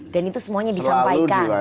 dan itu semuanya disampaikan